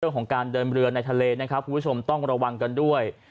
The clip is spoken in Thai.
เรื่องของการเดินเรือในทะเลนะครับคุณผู้ชมต้องระวังกันด้วย